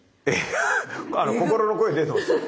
心の声出てますよ。